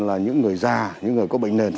là những người già những người có bệnh nền